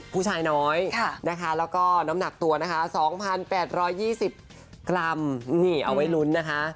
ผู้ชายน้อยนะคะแล้วก็น้ำหนักตัวนะคะ๒๘๒๐กรัมนี่เอาไว้ลุ้นนะคะ